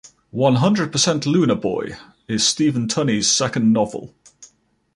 "One Hundred Percent Lunar Boy" is Stephen Tunney's second novel.